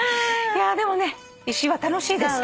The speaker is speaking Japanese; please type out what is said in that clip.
いやでもね石は楽しいです。